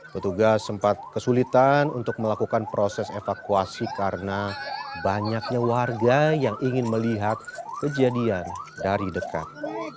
petugas sempat kesulitan untuk melakukan proses evakuasi karena banyaknya warga yang ingin melihat kejadian dari dekat